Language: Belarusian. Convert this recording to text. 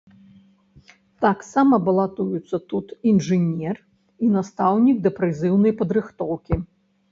Таксама балатуюцца тут інжынер і настаўнік дапрызыўнай падрыхтоўкі.